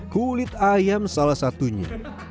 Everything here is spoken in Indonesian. kulit ayam salah satunya